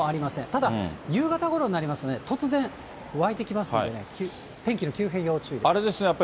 ただ、夕方ごろになりますと、突然わいてきますんで、天気の急変、要注意です。